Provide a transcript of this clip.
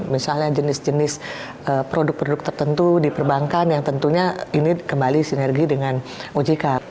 misalnya jenis jenis produk produk tertentu di perbankan yang tentunya ini kembali sinergi dengan ojk